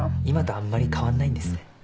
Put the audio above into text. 今とあんまり変わんないんですね。